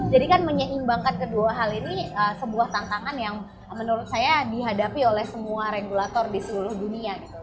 jadi kan menyeimbangkan kedua hal ini sebuah tantangan yang menurut saya dihadapi oleh semua regulator di seluruh dunia gitu